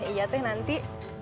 iya teh nanti